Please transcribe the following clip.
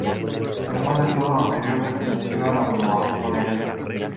Además de todo lo anterior, perteneció a la Masonería.